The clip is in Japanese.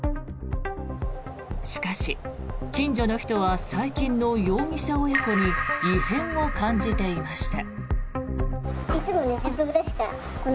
しかし、近所の人は最近の容疑者親子に異変を感じていました。